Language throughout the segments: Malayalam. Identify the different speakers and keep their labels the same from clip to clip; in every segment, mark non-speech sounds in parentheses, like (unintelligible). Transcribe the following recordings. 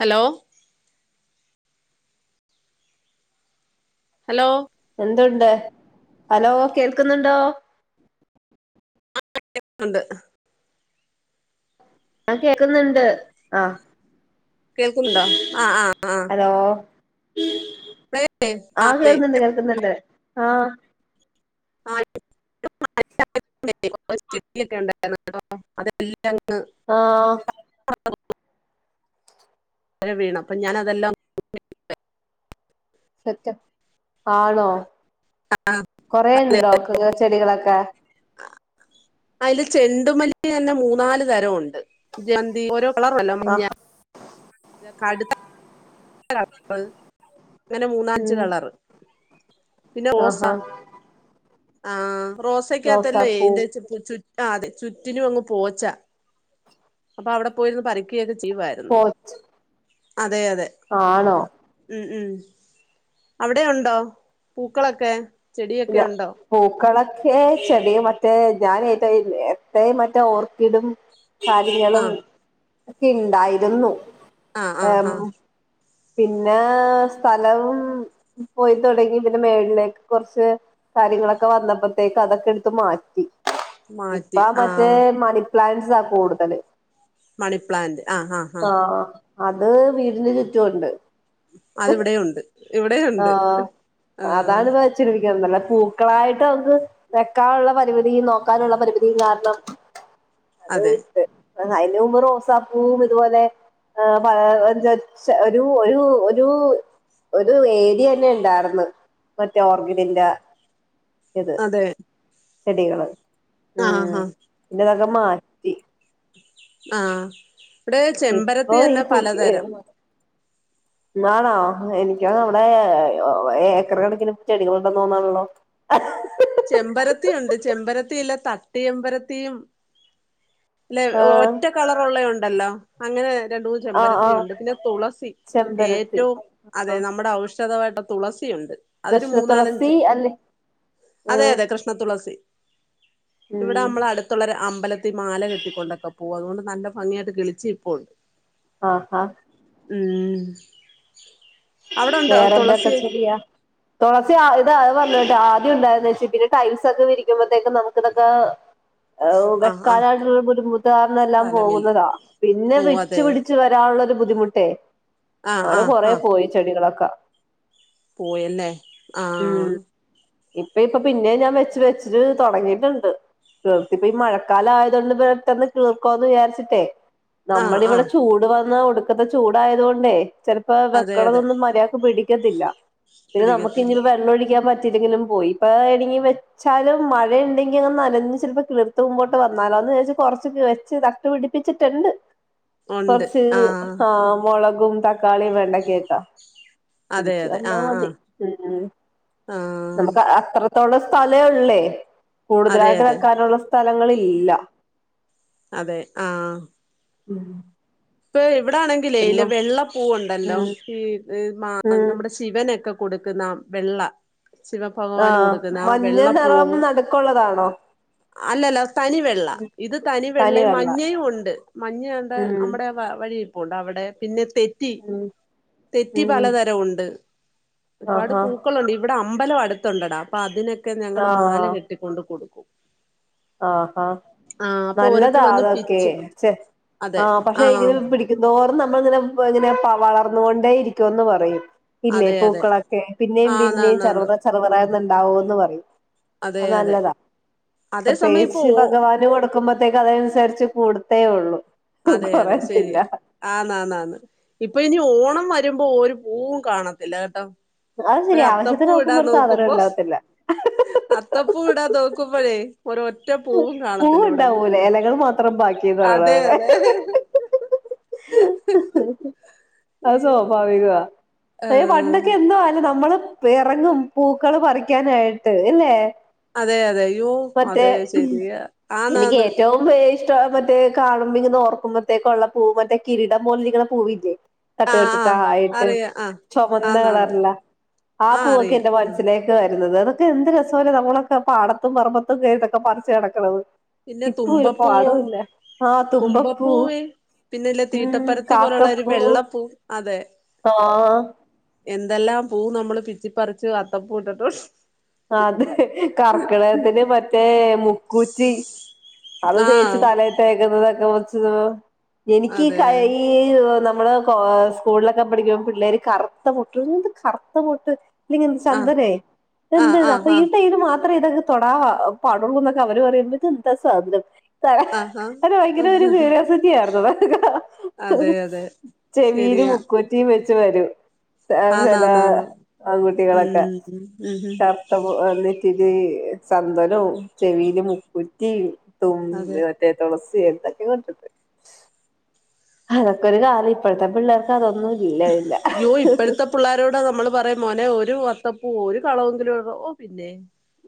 Speaker 1: ഹലോ ഹലോ
Speaker 2: എന്തുണ്ട് ഹലോ കേൾക്കുന്നുണ്ടോ
Speaker 1: എന്തുണ്ട്
Speaker 2: ഞാൻ കേക്കുന്നുണ്ട് ആഹ
Speaker 1: കേൾക്കുന്നുണ്ടോ ആ് ആഹ്
Speaker 2: ഹലോ
Speaker 1: ആ
Speaker 2: ആഹ
Speaker 1: അതെ
Speaker 2: കേൾുന്നുണ്ട് കേൾക്കുന്നു എന്ത ആഹ
Speaker 1: ആ (inaudible) ചെട്ടിയൊക്കെ ഉണ്ടായിുന്നാടോ അതെല്ലാംങ്ങ്
Speaker 2: ആഹ
Speaker 1: വീണം അപ്പൊ ഞാനതെല്ലാം
Speaker 2: സത്ം ആണോ കൊറെേ ഉണ്ടോ കൃ ചെടികളൊക്കെ
Speaker 1: അതില് ചെണ്ടുമല്ലി തന്നെ മൂന്നാല് തരംണ്ട് ജന്തി ഓരോ കളർ അല്ല മഞ്ഞ
Speaker 2: ആഹ്
Speaker 1: അ കടുത്ത (unintelligible) കൾ അങ്ങനെ മൂന്ന അഞ്ച്
Speaker 2: ഉം
Speaker 1: കളർ പിന്നെ റോസ
Speaker 2: ആഹാ
Speaker 1: ആഹ റോസക്കാകത്തല്ലേ
Speaker 2: റോസാപ്പൂ
Speaker 1: എയിന്റെ ചുറ്റി ചുറ്റി ആ അതെ ചുറ്റിനും അങ്ങ് പോച്ച അപ്പൊ അവിടെ പോയിരുന്ന് പറിക്കുകയൊക്കെ ചെയ്യായി
Speaker 2: പോച്ച്
Speaker 1: അതെ അതെ
Speaker 2: ആണോ
Speaker 1: ഉം ഉം അവിടെ ഉണ്ടോ പൂക്കളൊക്കെ ചെടിയൊക്കെ
Speaker 2: ഇല്ല
Speaker 1: ഉണ്ടോ
Speaker 2: പൂക്കളൊക്കെ ചെടിയ മറ്റേ ഞാൻ ഏറ്റവും എത്രയും മറ്റേ ഓർക്കിഡും കാര്യങ്ങളും
Speaker 1: ആഹ്
Speaker 2: ഒക്കെ ഉണ്ടായിരുന്നു
Speaker 1: ആഹ് ആഹ് ആഹ
Speaker 2: പിന്നെ സ്ഥലം പോയി തുടങ്ങി പിന്നെ മേുകളിലേക്ക് കുറച്ച് കാര്യങ്ങളൊക്കെ വന്നപ്പോത്തേക്ക് അതൊക്കെ എടുത്ത് മാറ്റി
Speaker 1: മാറ്റി
Speaker 2: ഇപ്പ മറ്റേ
Speaker 1: ആഹ്
Speaker 2: മണി പ്ലാൻസാ കൂടുതല്
Speaker 1: മണിപ്ലാന്റ് ആഹ് ആഹ് ആഹ്
Speaker 2: ആഹ അത് വീടിന് ചുറ്റുമുണ്ട്
Speaker 1: അതിവിടെുണ്ട് ഇവിടെുണ്ട് ആ
Speaker 2: ചിക്കല്ലേ പൂക്കളായിട്ട് നമുക്ക് വെക്കാനുള്ള പരിമിതി നോക്കാനുള്ള പരിമിതിയും കാരണം (unintelligible) അത്
Speaker 1: അതെ
Speaker 2: വിറ്റ് അതിന് മുമ്പ് റോസാപ്പൂവും ഇതുപോലെ ച ഒരു ഒരു ഒരു ഒരു വേലി എന്നെ ഉണ്ടായിന്ന് മറ്റേ ഓർഗിഡിന്റെ ഇത്
Speaker 1: അതെ
Speaker 2: ചെടികള്
Speaker 1: ആഹ് ആഹ്
Speaker 2: പിന്നെ തക്കെ മാറ്റി
Speaker 1: ആഹ ഇവിടെ ചെമ്പരത്തി
Speaker 2: ഇപ്പൊ ഈ
Speaker 1: തന്നെ പലതരം
Speaker 2: എന്നാണോ എനിക്ക് നമ്മുടെ ഏക്കർ കണക്കിന് ചെടികൾണ്ടന്ന് തോന്നാണല്ലോ
Speaker 1: ചെമ്പരത്തി ഉണ്ട് ചെമ്പരത്തിയില്ല തട്ട്ചെമ്പരത്തിയും ളല്ലെ
Speaker 2: ആഹ്
Speaker 1: ഒറ്റ കളറുള്ള ഉണ്ടല്ലോ അങ്ങനെ രണ്ട് മൂന്ന്
Speaker 2: ആഹ്
Speaker 1: ചെമ്പരത്തി
Speaker 2: ആഹ്
Speaker 1: ഉണ്ട് പിന്നെ തുളസി
Speaker 2: ചെമ്പരത്തി
Speaker 1: ഏറ്റവും അതെ
Speaker 2: ആഹ്
Speaker 1: നമ്മുടെ ഔഷധമായിട്ട തുളസിയുണ്ട് അതൊരു
Speaker 2: കൃഷ്ണ തുളസി
Speaker 1: മൂന്നാലഞ്ച്
Speaker 2: അല്ലെ
Speaker 1: അതെ
Speaker 2: ആഹ്
Speaker 1: അതെ കൃഷ്ണത്തുളസി ഇവിടെ
Speaker 2: ഉം
Speaker 1: നമ്മൾ അടുത്തുള്ള ഒരു അമ്പലത്തിൽ മാല കിട്ട കൊണ്ടക്ക പോ അതുകൊണ്ട് നല്ല ഭംഗിയായിട്ട് കിളിച്ച് നിപ്പോണ്ട്
Speaker 2: ആഹ് അഹ്
Speaker 1: ഉം അവിടെ ഉണ്ടോ
Speaker 2: വേറെന്തൊക്കെ
Speaker 1: തുളസി
Speaker 2: ചെടിയാ തുളസി ഇത് അത് പറഞ്ഞിട്ട് ആദ്യം ഉണ്ടായന്ന് വെച്ച് പിന്നെ ടൈൽസ് ഒക്കെ വിരിക്കുമ്പോഴത്തെക്ക് നമക്ക് ഇതൊക്കെ ഔ
Speaker 1: ആഹ് ആഹ്
Speaker 2: വെക്കാനായിട്ടുള്ളരു ബുദ്ധിമുത്തുകാരനെല്ലാം
Speaker 1: സ്ഥലമില്ല
Speaker 2: പോകുന്നതാ പിന്നെ
Speaker 1: ഓ അതെ
Speaker 2: വെച്ച്പിടിച്ച് ച്ച് വരാനുള്ളോരു ബുദ്ധിമുട്ടേ
Speaker 1: ആഹ്
Speaker 2: അങ്ങനെ
Speaker 1: ആഹ്
Speaker 2: കൊറേ
Speaker 1: ആഹ്
Speaker 2: പോയി ചെടികളൊക്കെ
Speaker 1: പോയല്ലേ ആഹ്
Speaker 2: ഉം ഇപ്പ ഇപ്പോ പിന്നെ ഞാൻ വെച്ച് വെച്ച് തുടങ്ങിയിട്ടുണ്ട് (unintelligible) ഇപ്പം ഈ മഴക്കാലം ആയതുകൊണ്ട് പട്ടെന്ന് കീളിർക്കോന്ന് വിചാരിച്ചിട്ടേ
Speaker 1: ആഹ്
Speaker 2: നമ്മളിവിടെ
Speaker 1: ആഹ്
Speaker 2: ചൂട് വന്നാ ഒടുക്കത്തെ ചൂടായത് കൊണ്ടേ ചെലപ്പോ വെ
Speaker 1: അതെ അതെ
Speaker 2: മര്യാക്ക് പിടക്കത്തില്ല പിന്നെ നമുക്ക്
Speaker 1: പിടിക്കത്തില്ല
Speaker 2: ഇഞ്ഞിപ്പോ വെള്ളം ഒഴിക്കാൻ പറ്റില്ലെങ്കിലും പോയി ഇപ്പ (unintelligible) ച്ചാലും മഴണ്ടെങ്കില് നനഞ്ഞ് ചെൽപ്പോ കിളർത്ത് മുമ്പോട്ട് വന്നാലോ എന്ന് വെ ച്ച് കൊറച്ചൊക്കെ വെച്ച് നട്ടു പിടിപ്പിച്ചിട്ടുണ്ട്
Speaker 1: (inaudible)
Speaker 2: കൊർച്ച് ആഹ് മുളകും തക്കാളീം വേണ്ടക്കെ
Speaker 1: അതെ
Speaker 2: പിടിച്ചു
Speaker 1: അതെ
Speaker 2: വന്നാ
Speaker 1: ആഹ്
Speaker 2: മതി
Speaker 1: ആഹ്
Speaker 2: ഉം ഉം
Speaker 1: ആഹ്
Speaker 2: നമുക്ക് അത്ര ത്രോള്ള സ്ഥലേള്ളേ
Speaker 1: അതെ
Speaker 2: കൂടുതലായിട്ട്
Speaker 1: അതെ
Speaker 2: വെക്കാനുള്ള സ്ഥലങ്ങള്ല്ല
Speaker 1: അതെ ആഹ്
Speaker 2: ഉം
Speaker 1: ഇപ്പ ഇവടെ ആണെങ്കിലേ ഇല
Speaker 2: പിന്നെ
Speaker 1: വെള്ളപ്പൂവുണ്ടല്ലോ
Speaker 2: ഉം
Speaker 1: ഈ മാ
Speaker 2: ഉം
Speaker 1: നമ്മുടെ ശിവനൊക്കെ കൊടുക്കുന്ന വെള്ള
Speaker 2: ആ
Speaker 1: ശിവഭഗവാന് കൊടുക്കുന്ന ആഹ്
Speaker 2: മഞ്ഞ നിറം
Speaker 1: വെള്ളപ്പൂവ്
Speaker 2: നടുക്കുള്ളതാണോ
Speaker 1: അല്ലല്ല തനി വെള്ള ഇത് തനി വെള്ളയും മഞ്ഞയും ഒണ്ട് മഞ്ഞ ദാണ്ട്
Speaker 2: ഉം
Speaker 1: നമ്മടെ വ വഴിയിരിപ്പുണ്ട് അവടെ പിന്നെ തെ റ്റി
Speaker 2: ഉം
Speaker 1: തെറ്റി
Speaker 2: ഉം
Speaker 1: പലതരം ഉണ്ട് ഒരുപാട്
Speaker 2: ആഹാ
Speaker 1: പൂ പൂക്കളുണ്ട് ഇവിടെ അമ്പലം അടുത്തുണ്ടടാ അപ്പൊ അതിനൊക്കെ ഞങ്ങള്
Speaker 2: ആ
Speaker 1: മാല കെട്ടിക്കൊണ്ട് കൊടുക്കും
Speaker 2: ആഹ്ഹാ
Speaker 1: ആഹ് അപ്പൊ
Speaker 2: നല്ലതാ
Speaker 1: ഓരോരുത്തര് വന്ന്
Speaker 2: അതൊക്കെ
Speaker 1: പിച്ചും
Speaker 2: ചെ ആഹ് പക്ഷെ ഇങ്ങനെ പിടിക്കുന്തോറും നമ്മളിങ്ങനെ ഇങ്ങനെ ഇങ്ങനെപ വ വളർന്നുകൊണ്ടേ ഇരിക്കുവെന്ന് പറയും ഇല്ലേ
Speaker 1: അതെ അതെ
Speaker 2: പൂക്കളൊക്കെ പിന്നെയും പിന്നേം
Speaker 1: ആന്നാന്നാന്ന്
Speaker 2: ചെറുപറ ചെറപറന്നുണ്ടാവോന്ന് പറയും
Speaker 1: അതെ
Speaker 2: അത്
Speaker 1: അതെ
Speaker 2: നല്ലതാ
Speaker 1: അതേ സമയം ഇപ്പൊ
Speaker 2: പ്രത്യേകിച്ച്
Speaker 1: ഓ
Speaker 2: ഭഗവാന് കൊടുക്കുമ്പോത്തേക്ക് അതനുസര്ച്ച് കൂടുത്തേ ഉള്ളു (unintelligible) കൊറയത്തില്ല
Speaker 1: ആന്ന് ആന്നാന്ന് ഇപ്പൊ ഇനി ഓണം വരുമ്പോ ഒരു പൂവും കാണത്തില്ല കേട്ടോ
Speaker 2: അത് ശെരിയാ
Speaker 1: ഒരത്തപ്പൂ
Speaker 2: ആവശ്യത്തിന് നോക്കുമ്പോ ഒരു സാധനം ഇണ്ടാവത്തില്ല (unintelligible)
Speaker 1: അത്തപൂവ് ഇടാൻ നോക്കുമ്പോഴേ ഒരോറ്റ പൂവും കാണത്തില്ല ഇവിടെ എങ്ങും
Speaker 2: പൂവുണ്ടാവൂല എലകൾ മാത്രം ബാക്കിന്ന് പറയണ
Speaker 1: അതെ
Speaker 2: പോലെ
Speaker 1: അതെ
Speaker 2: (unintelligible) അത് സ്വാഭാവികാ അയ്യോ
Speaker 1: ആഹ്
Speaker 2: പണ്ടൊക്കെ എന്തോ ആയിരുന്ന് നമ്മള് എറങ്ങും പൂക്കള് പറിക്കാനായിട്ട് ഇല്ലെ
Speaker 1: അതെ അതെ അയ്യോ അതെ ശെരിയാ ആന്നാന്ന്
Speaker 2: (unintelligible) ഷ്ടാ മറ്റേ കാണുമ്പോ ഇങ്ങനെ ഓർക്കുമ്പോത്തേക്കൊള്ള പൂവ് മറ്റേ കിരീടം പോലിരിക്കണ പൂവില്ലേ തട്ട്
Speaker 1: ആഹ് ആഹ്
Speaker 2: തട്ട്ട്ടായിട്ട്
Speaker 1: അറിയാം ആഹ്
Speaker 2: ചുമന്ന
Speaker 1: ആന്നാന്ന്
Speaker 2: കളറിള്ള ആഹ് പൂവൊക്കെ
Speaker 1: അറിയാം
Speaker 2: എന്റെ
Speaker 1: ഉം
Speaker 2: മനസ്സിലേ ലേക്ക് വരുന്നത് അതൊക്കെ എന്ത് രസാല്ലേ നമ്മളൊക്കെ പാടത്തും പറമ്പത്തും കേറിട്ടൊക്കെ പറച്ച് നടക്കണത്
Speaker 1: പിന്നെ തുമ്പപ്പൂവോ
Speaker 2: ആ തുമ്പപ്പൂ
Speaker 1: തുമ്പപ്പൂവേ പിന്നെല്ലെ
Speaker 2: ഉം
Speaker 1: തീട്ടപ്പരത്തി പോലുള്ള ഒരു
Speaker 2: കാക്കപ്പൂ
Speaker 1: വെള്ളപ്പൂ അതെ
Speaker 2: ആ
Speaker 1: എന്തെല്ലാം പൂ നമ്മള് പിച്ചിപ്പറിച്ച് അത്തപ്പൂ ഇട്ടിട്ടുംണ്ട്
Speaker 2: അതെ കർക്കടകത്തിന്ന് മറ്റേ മുക്കുറ്റി അത് തേച്ച്
Speaker 1: ആഹ്
Speaker 2: തല തേക്ക്ന്നതൊക്കെ കൊച്ച് എനിക്കീ
Speaker 1: അതെ
Speaker 2: കൈയ്യ് നമ്മള് സ്കൂളിലൊക്ക പഠിക്കുമ്പൊ പിള്ളാര് കറുത്ത മുട്ട് എന്ത കറുത്ത മുട്ട് ഇല്ലങ്കി എന്ത്
Speaker 1: ആഹ്
Speaker 2: ചന്ദനേ
Speaker 1: ആഹ്
Speaker 2: എന്തത് അപ്പൊ
Speaker 1: ആഹ്
Speaker 2: ഈ
Speaker 1: ആഹ്
Speaker 2: ടൈമില് മാത്രെ ഇതൊ തൊടാവ പാടുള്ളുന്നൊക്ക അവര് പറയുമ്പൊ ഇതെന്ത സാധനം ത
Speaker 1: ആഹ് ആഹ്
Speaker 2: അത് ഭയങ്കര
Speaker 1: ആഹ്
Speaker 2: ഒരു ക്യൂരിയോസിറ്റി ആയിരുന്നു
Speaker 1: അതെ അതെ
Speaker 2: ചെവീല്
Speaker 1: ശരിയാ
Speaker 2: മുക്കുറ്റിം വെച്ച് വരും അയ് ചെലാ
Speaker 1: ആന്നാന്നാന്ന്
Speaker 2: ആൺകുട്ടികളൊക്കെ
Speaker 1: ഉം ഉം ഉം
Speaker 2: വന്നിട്ടിരീ ചന്തനൊം ചെവീല് മുക്കുറ്റീം തും
Speaker 1: അതെ
Speaker 2: ഏഹ് തൊളസി എന്തക്കെയോട്ട്ട്ട് അതൊക്കൊ ഒരു കാലം ഇപ്പഴത്തെ പിള്ളാർക്ക് അതൊന്നും ഇല്ല ഇല്ല
Speaker 1: യ്യോ ഇപ്പഴത്ത പുള്ളാരോട നമ്മള് പറയും മോനെ ഒരു അത്തപ്പൂ ഒരു കളവെങ്കിലും ഇട ഓഹ് പിന്നെ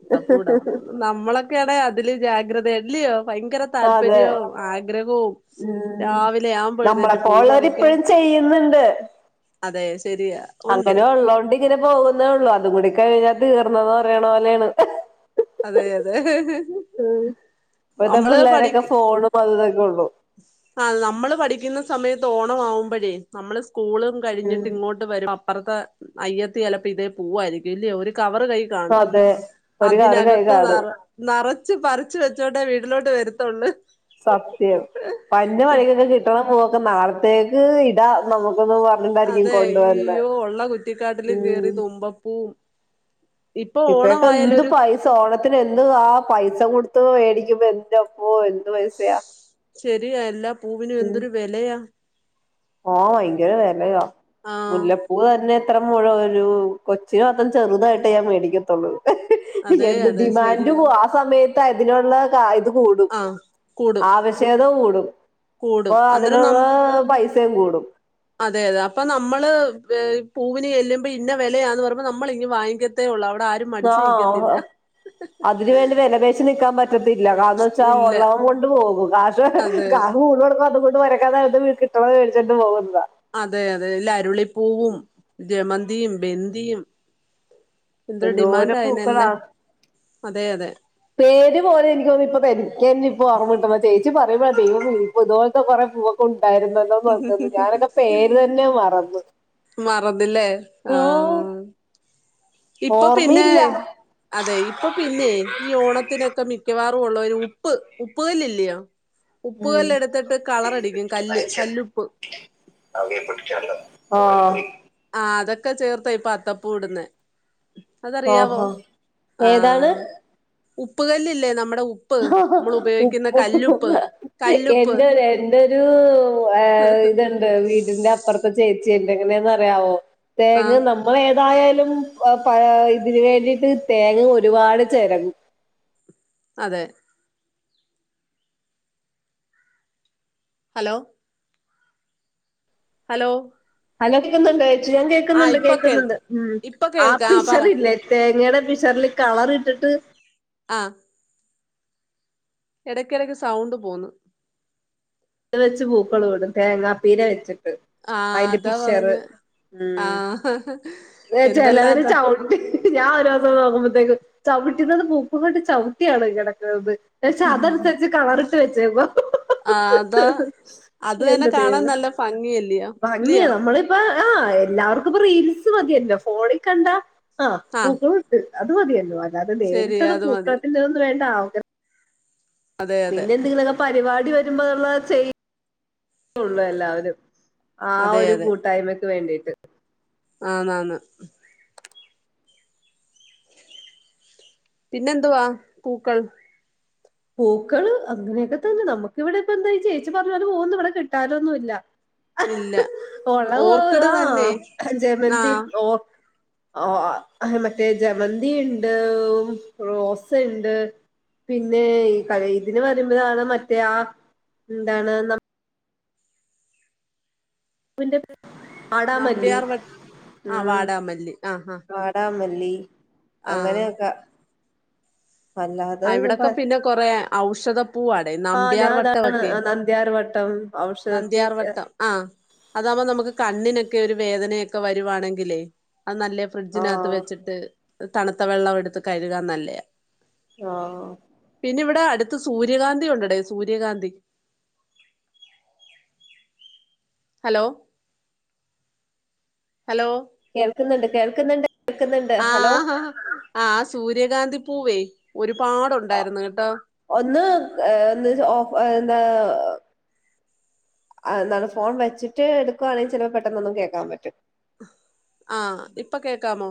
Speaker 1: അത്തപ്പൂവ്ടാൻ പോവുന്ന് നമ്മളൊക്കയാണെ അതില് ജാഗ്രതെ അല്ല്യോ ഭയങ്കര
Speaker 2: അതെ
Speaker 1: താല്പര്യവും ആഗ്രഹോം
Speaker 2: ഉം
Speaker 1: രാവിലെ ആവുമ്പെഴുന്നേറ്റ് പൂ പറിക്കാൻ
Speaker 2: ചെയ്യ്ന്ന്ണ്ട്
Speaker 1: അതെ ശരിയാ ഉണ്ട്
Speaker 2: അങ്ങനെ ഉള്ളോണ്ട് ഇങ്ങനെ പോവുന്നേ ഉള്ളു അതും കൂടി കഴിഞ്ഞ തീർന്നൂന്ന് പറ്യണ പോലെയാണ്
Speaker 1: അതെ അതെ
Speaker 2: ഉം ഇപ്പതെ
Speaker 1: നമ്മള്
Speaker 2: പിള്ളാരൊക്കെ ഫോണും അതും ഇതൊക്കെ ഉള്ളു
Speaker 1: ആഹ് നമ്മള് പഠിക്ക്ന്ന സമയത്ത് ഓണമാവുമ്പഴെ നമ്മള് സ്കൂളും
Speaker 2: ഉം
Speaker 1: കഴിഞ്ഞിട്ട് ഇങ്ങോട്ട് അപ്പർത്തെ അയ്യത്തി ചെലപ്പൊ ഇതേ പൂവായിരിക്കും ഇല്ല്യൊ ഒരു കവർ ക കാണും
Speaker 2: അതെ ഒരു കറി കൈ
Speaker 1: അതിനകത്ത്
Speaker 2: കാണും
Speaker 1: വേറ നെറച്ച് പറിച്ചു വെച്ചോട്ടെ വീട്ടിലോട്ട് വരത്തുള്ളു
Speaker 2: സത്യം പന്ന് മണികൊക്ക കിട്ട്ണ പൂവൊക്കെ നാളത്തേക്ക് ഇടാ നമുക്കെന്ന് പ
Speaker 1: അതെ യ്യോ ഉള്ള കുറ്റിക്കാട്ടില് കേറി
Speaker 2: ഉം
Speaker 1: തുമ്പപ്പൂ
Speaker 2: ഇപ്പൊക്കെ എന്ത് പൈസ ഓണത്തിന് എന്ത് ആഹ് പൈസ കൊടുത്ത് വേടിക്കുമ്പൊ എന്റമ്മൊ
Speaker 1: ശരിയാ എല്ലാ പൂവിനും എന്തൊരു വെലയാ
Speaker 2: ആഹ് ഭയങ്കര വെലയ
Speaker 1: ആഹ്
Speaker 2: മുല്ലപ്പൂ തന്നെ ഇത്ര മുഴ വരും കൊച്ചിന് മാത്രം ചെറ്തായിട്ടെ ഞാ മേടിക്കത്തുള്ളു
Speaker 1: അതെ
Speaker 2: എന്ത്
Speaker 1: അതെ
Speaker 2: ഡിമാൻഡ്
Speaker 1: ശരിയാ
Speaker 2: പോ ആഹ് സമയത്ത് അതിനുള്ള കാ കൂടും.
Speaker 1: ആഹ് കൂടും
Speaker 2: ആവശ്യകത കൂടും. ഇപോ
Speaker 1: കൂടും അന്നേരം നം
Speaker 2: അതിനുള്ളാ പൈ സെകൂടും
Speaker 1: അതെ അതെ അപ്പ നമ്മള് പൂവിനെല്ലുമ്പൊ ഇന്ന വെലയാന്ന് പറമ്പൊ നമ്മള് ഇനി വാങ്ങിക്കത്തെ ഉള്ളു അവടാരും മടിച്ച് നിക്കത്തില്ല
Speaker 2: അതിനുവേണ്ടി വെലപേശി നിക്കാൻ പ റ്റത്തില്ല കാരണംന്ന്ച്ചാ
Speaker 1: ഇല്ല
Speaker 2: ഒള്ളവം കൊണ്ട് പോകും. കാഷ്
Speaker 1: അതെ
Speaker 2: കാ കൂണടക്ക അതുകൊണ്ട് വരക്കാത കിട്ട്ണ വേടച്ചിട്ട് പോവെന്ത
Speaker 1: അതെ അതെ ല്ല അരുളിപ്പൂവും ജമന്തിയും ബെന്തിയും എന്ത ഡിമാൻഡ്
Speaker 2: എന്തോരം പൂക്കളാ
Speaker 1: ആയെനെല്ലാം അതെ അതെ
Speaker 2: പേര് പോലെ എനിക്കോന്ന് ഇപ്പ എനിക്കെന്നെ ഇപ്പ ഓർമ്മട്ടണില്ല ചേച്ചി പറയുമ്പ ഇപ്പ ആതുപോൽത്തെ കൊറെ പൂവൊക്കെ ഉണ്ടായിരുന്നല്ലോ നോക്കുന്നു ഞാനൊക്ക പേര് തന്നെ മറന്ന്
Speaker 1: മറന്നില്ലെ ആഹ് ഇപ്പൊ പിന്നേ
Speaker 2: ഓർമ്മയില്ല
Speaker 1: അതെ ഇപ്പൊ പിന്നെയ് ഈ ഓണത്തിനൊക്ക മിക്കവാറുള്ള ഒരു ഉപ്പ് ഉപ്പുകല്ല്ല്ല്യോ
Speaker 2: ഉം.
Speaker 1: ഉപ്പുകല്ല് എടുത്തിട്ട് കളറടിക്കും കല്ല് കല്ലുപ്പ്
Speaker 2: അവ്മെ പിട്ക്കാല്ലൊ ആഹ്
Speaker 1: ആഹ് അതൊക്ക ചേർത്ത ഇപ്പൊ അത്തപ്പൂ ഇട്ന്നെ അതറിയാവോ
Speaker 2: ആഹാ
Speaker 1: ആ
Speaker 2: ഏതാണ്
Speaker 1: ഉപ്പുകല്ലില്ലേ നമ്മുടെ ഉ
Speaker 2: ഉപ്പ്
Speaker 1: കല്ലുപ്പ്
Speaker 2: എന്റെ എന്റൊരു ഇതണ്ട് വീടിന്റെ അപ്പുറത്തെ ചേച്ചിയുണ്ട് എങ്ങനാന്നറിയാമോ
Speaker 1: ആ
Speaker 2: തേങ്ങ ന മ്മൾ ഏതായാലും തയാ ഇതിന് വേണ്ടിയിട്ട് തേങ്ങ ഒരുപാട് ചെരകും
Speaker 1: അതെ ഹലോ ഹലോ
Speaker 2: ഹലോ കേക്കുന്നുണ്ട് ചേച്ചി ഞാൻ
Speaker 1: ആ
Speaker 2: കേൾക്കുന്നുണ്ട്
Speaker 1: ഇപ്പൊ കേൾ
Speaker 2: കേൾക്കുന്നുണ്ട് ഉം
Speaker 1: ഇപ്പൊ
Speaker 2: ആ
Speaker 1: കേൾക്കാം പറ
Speaker 2: ബിഷറില്ലേ തേങ്ങയുടെ ബിഷറില് കളർ ഇട്ടിട്ട്
Speaker 1: ആഹ് എടക്കെടക്ക് സൗണ്ട് പോവുന്നു
Speaker 2: ഇത് വെച്ച് പൂക്കളം ഇടും തേങ്ങാപ്പീര വെച്ചിട്ട്
Speaker 1: ആ
Speaker 2: അയിന്റെ
Speaker 1: അതാ
Speaker 2: പിഷർ
Speaker 1: പറഞ്ഞ് ആ
Speaker 2: ഉം ചെലവര്
Speaker 1: എന്തെല്ലാതാ
Speaker 2: ച വുട്ടി ഞാൻ ഒരു ദിവസം നോക്കുമ്പത്തേക്ക് ചവിട്ടുന്നത് പൂപ്പും കൊണ്ട് ചൗട്ടിയാണ് കിടക്കുന്നത് തേച്ച് അതെടുത്തേച്ച് കളറിട്ട് വെച്ചേക്കുവാ
Speaker 1: ആ അതാ അത് തന്നെ
Speaker 2: എന്റെ
Speaker 1: കാണാൻ
Speaker 2: ദൈവമേ
Speaker 1: നല്ല ഭംഗിയല്ലയോ
Speaker 2: ഭംഗിയാ
Speaker 1: ഇല്ലയോ
Speaker 2: നമ്മള് ആഹ് എല്ലാവർക്കും ഇപ്പ റീൽസ് മതിയല്ലോ ഫോണിൽ കണ്ട ആഹ്
Speaker 1: ആ
Speaker 2: പൂക്കള് അത് മതിയല്ലോ അല്ലാതെ
Speaker 1: ശരി
Speaker 2: നേരിട്ടത്
Speaker 1: അത് മതി
Speaker 2: പൂക്കളത്തിന്റെ അതൊന്നും വേണ്ട ആവ
Speaker 1: അതെ അതെ
Speaker 2: പിന്നെ എന്തെങ്കിലുമൊക്കെ പരിപാടി വരുമ്പോ നമ്മളത് ചെയ്യൂന്നേ ഉള്ളു എല്ലാവരും ആ
Speaker 1: അതെ
Speaker 2: ഒരു കൂട്ടായ്മയ്ക്ക് വേണ്ടീട്ട്
Speaker 1: ആന്ന് ആന്ന് പിന്നെന്തുവാ പൂക്കൾ
Speaker 2: പൂക്കള് അങ്ങനെയൊക്കെ തന്നെ നമുക്കിവിടെ ഇപ്പ എന്താ ചേച്ചി പറഞ്ഞ ഒരു പൂവൊന്നും ഇവിടെ കിട്ടാനൊന്നുമില്ല.
Speaker 1: ഇല്ല
Speaker 2: ഒള്ള
Speaker 1: ഓർക്കിഡ്
Speaker 2: പൂവ്
Speaker 1: തന്നെ
Speaker 2: താ
Speaker 1: ആ
Speaker 2: ജമന്തി ഓ ആഹ് മറ്റേ ജമന്തിയുണ്ട് റോസയുണ്ട് പിന്നേ ഇതിന് വരുമ്പോഴാണ് മറ്റേ ആ എന്താണ് വിന്റെ വാടാമല്ലി
Speaker 1: നമ്പ്യാർ വ ആ
Speaker 2: ഉം
Speaker 1: വാടാമല്ലി ആ ആ
Speaker 2: വാ ടാമല്ലി
Speaker 1: ആ
Speaker 2: അങ്ങനെയൊക്ക
Speaker 1: ആഹ് ഇവിടൊക്കെ പിന്നെ കൊറേ ഔഷധപ്പൂവാണ്.
Speaker 2: ആ
Speaker 1: നമ്പ്യാർ
Speaker 2: ഞാൻ
Speaker 1: വട്ടം
Speaker 2: അതാണ്
Speaker 1: ഒക്കെ
Speaker 2: നന്ദ്യാർ വട്ടം ഔഷധത്തി
Speaker 1: നന്ദ്യാർ വട്ടം ആഹ് അതാവുമ്പോ നമുക്ക് കണ്ണിനൊക്കെ ഒരു വേദനയൊക്കെ വരുവാണെങ്കിലേ അത് നല്ല
Speaker 2: ആ
Speaker 1: ഫ്രിഡ്ജിനകത്ത് വെച്ചിട്ട് തണുത്ത വെള്ളം എടുത്ത് കഴുകാൻ നല്ലെയാ
Speaker 2: ആഹ്
Speaker 1: പിന്നെ ഇവിടെ അടുത്ത് സൂര്യകാന്തി ഉണ്ടടെ സൂര്യകാന്തി ഹലോ ഹലോ
Speaker 2: കേൾക്കുന്നുണ്ട് കേൾക്കുന്നുണ്ട് കേൾക്കുന്നുണ്ട് ഹലോ
Speaker 1: ആഹ് ആഹ് സൂര്യകാന്തി പൂവേ ഒരുപാടുണ്ടായിരുന്നു കേട്ടോ
Speaker 2: ഒന്ന് ഒന്ന് ഓഫ് എന്താ ആഹ് എന്താണ് ഫോൺ വെച്ചിട്ട് എടുക്കുവാണെ ചെലപ്പോ പെട്ടെന്നൊന്നും കേൾക്കാൻ പറ്റു
Speaker 1: ആഹ് ഇപ്പ കേക്കാമോ